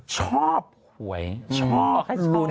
ชอบหวยชอบให้ชอบ